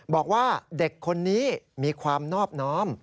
บอกว่าเด็กคนนี้มีความนอบน้อม